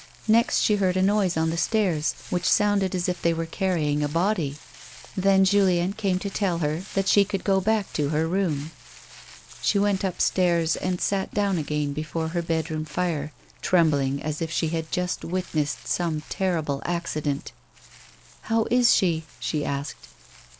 Next she heard a noise on the stairs which sovmded as if they were caiTying a body, then Julien came to tell her that she could go back to her room. She went xipstairs and sat down again before her bed room fire, trembling as if she had just witnessed some terrible accident. " How is she ?" she asked.